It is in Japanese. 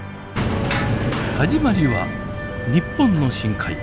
始まりは日本の深海。